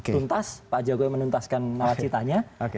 tuntas pak jokowi menuntaskan nawacitanya